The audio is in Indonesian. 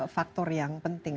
faktor yang penting